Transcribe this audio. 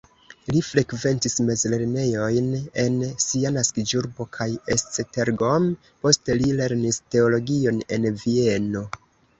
Li frekventis mezlernejojn en sia naskiĝurbo kaj Esztergom, poste li lernis teologion en Vieno.